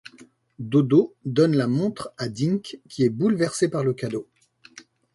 Dodo donne la montre à Dink, qui est bouleversé par le cadeau.